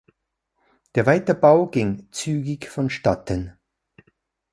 Der Weiterbau ging zügig vonstatten.